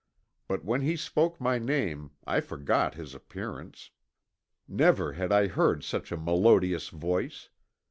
But when he spoke my name I forgot his appearance. Never had I heard such a melodious voice.